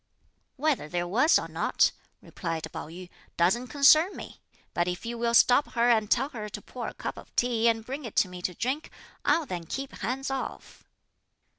"Whether there was or not," replied Pao yü, "doesn't concern me; but if you will stop her and tell her to pour a cup of tea and bring it to me to drink, I'll then keep hands off."